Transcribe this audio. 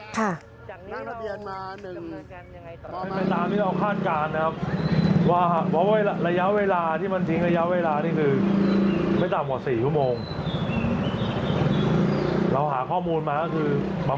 แต่ง่ายคิดว่าถ้าเป็นคนธรรมดาถ้าเป็นคนธรรมดาครับ